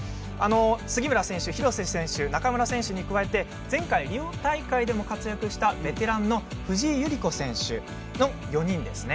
杉村選手、廣瀬選手中村選手に加えて前回リオ大会でも活躍したベテランの藤井友里子選手の４人ですね。